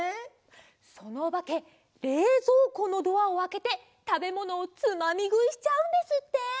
そのおばけれいぞうこのドアをあけてたべものをつまみぐいしちゃうんですって。